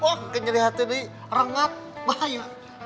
wah kenyataan ini orang ngak bahaya